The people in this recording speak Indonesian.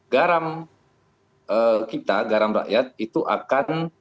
garam kita garam rakyat itu akan